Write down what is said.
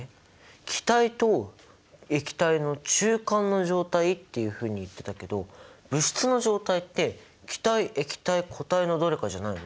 気体と液体の中間の状態っていうふうに言ってたけど物質の状態って気体液体固体のどれかじゃないの？